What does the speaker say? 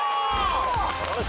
よし！